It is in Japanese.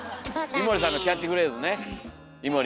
井森さんのキャッチフレーズね。